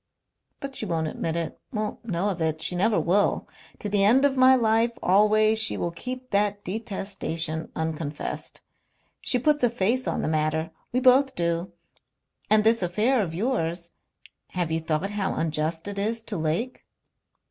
But she won't admit it, won't know of it. She never will. To the end of my life, always, she will keep that detestation unconfessed. She puts a face on the matter. We both do. And this affair of yours.... Have you thought how unjust it is to Lake?"